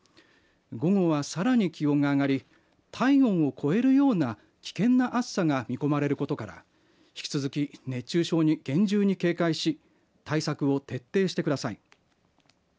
午後は、さらに気温が上がり体温を超えるような危険な暑さが見込まれることから引き続き熱中症に厳重に警戒し対策を徹底してください。